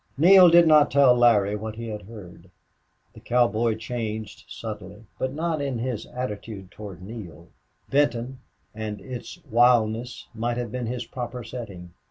Neale did not tell Larry what he had heard. The cowboy changed subtly, but not in his attitude toward Neale. Benton and its wildness might have been his proper setting.